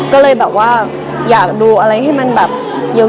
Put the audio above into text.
ก็เลยแบบว่าอยากดูอะไรให้มันแบบเยอะ